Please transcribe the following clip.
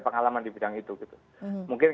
pengalaman di bidang itu gitu mungkin